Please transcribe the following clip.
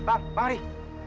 ini benar benar gak adil